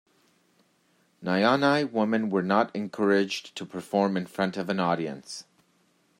Nyonya women were not encouraged to perform in front of an audience.